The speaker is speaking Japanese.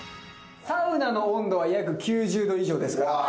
サウナの温度は約９０℃以上ですから。